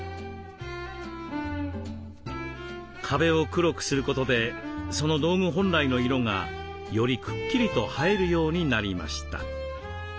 壁を黒くすることでその道具本来の色がよりくっきりと映えるようになりました。